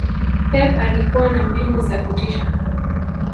Pep alikua na mbinu za kutisha